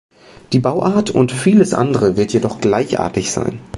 Die Bauart und vieles andere wird jedoch gleichartig sein.